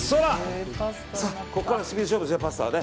ここからはスピード勝負ですパスタはね。